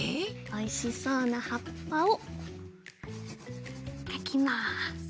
おいしそうなはっぱをかきます。